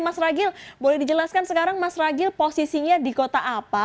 mas ragil boleh dijelaskan sekarang mas ragil posisinya di kota apa